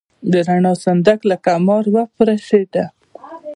د رڼا صندوق لکه مار وپرشېده.